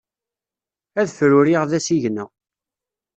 Ad fruriɣ d asigna.